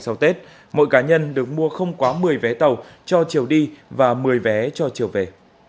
sau tết mỗi cá nhân được mua không quá một mươi vé tàu cho chiều đi và một mươi vé cho chiều về